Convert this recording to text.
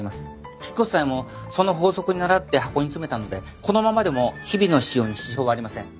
引っ越す際もその法則に倣って箱に詰めたのでこのままでも日々の使用に支障はありません。